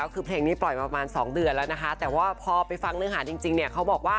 วิบวับ